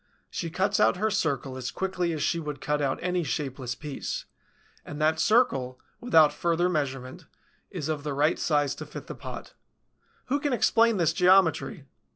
She cuts out her circle as quickly as she would cut out any shapeless piece; and that circle, without further measurement, is of the right size to fit the pot. Who can explain this geometry?